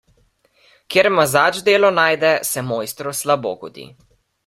Kjer mazač delo najde, se mojstru slabo godi.